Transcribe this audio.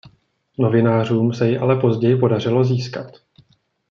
Novinářům se ji ale později podařilo získat.